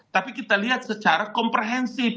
tapi kita lihat secara komprehensif